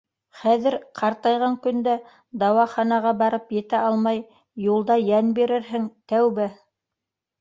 Хәҙер, ҡартайған көндә, дауаханаға барып етә алмай, юлда йән бирерһең, тәүбә!